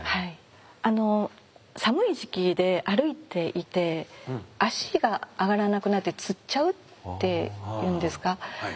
あの寒い時期で歩いていて足が上がらなくなってつっちゃうっていうんですか？